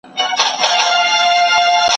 او د خپل لاس په ګټه ژوند وکړي.